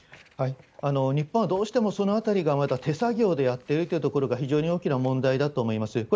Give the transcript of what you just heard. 日本はどうしても、そのあたりがまだ手作業でやってるというところが非常に大きな問題だと思います。